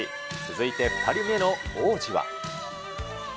続いて２人目の王子は。